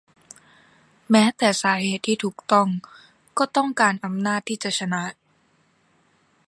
แม้แต่สาเหตุที่ถูกต้องก็ต้องการอำนาจที่จะชนะ